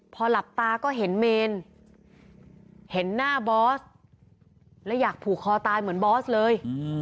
พอหลับตาก็เห็นเมนเห็นหน้าบอสและอยากผูกคอตายเหมือนบอสเลย